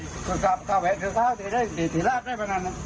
ก็กลับแวะเติมเติมเติมพี่ทุกข์ลากได้ไปนั้น